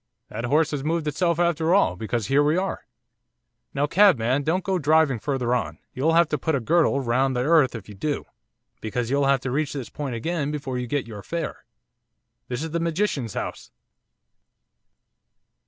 That horse has moved itself after all, because here we are. Now, cabman, don't go driving further on, you'll have to put a girdle round the earth if you do; because you'll have to reach this point again before you get your fare. This is the magician's house!